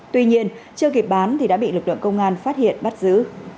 tuy nhiên chưa kịp bán thì đã bị lực lượng công an phát hiện bắt giữ